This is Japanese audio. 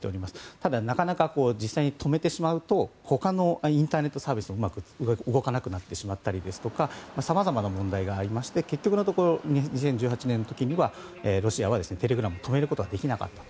ただ、なかなか実際に止めてしまうと他のインターネットサービスもうまく動かなくなってしまったりさまざまな問題がありまして結局のところ２０１８年の時にはロシアはテレグラムを止めることができなかったと。